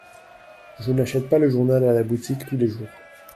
Je n’achète pas le journal à la boutique tous les jours.